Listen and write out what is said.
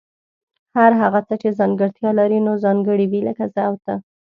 هر هغه څه چي ځانګړتیا لري نو ځانګړي وي لکه زه او ته